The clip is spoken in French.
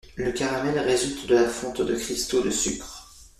Le caramel résulte de la fonte de cristaux de sucre.